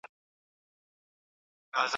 په آئينـه كي راتـه وژړل